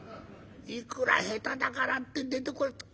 いくら下手だからって出てこねえって。